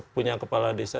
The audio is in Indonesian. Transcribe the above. punya kepala desa